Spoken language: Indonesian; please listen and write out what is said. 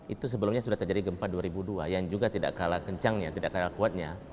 itu sebelumnya sudah terjadi gempa dua ribu dua yang juga tidak kalah kencangnya tidak kalah kuatnya